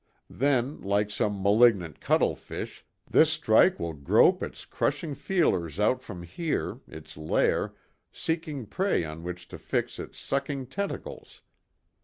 Then, like some malignant cuttlefish, this strike will grope its crushing feelers out from here, its lair, seeking prey on which to fix its sucking tentacles.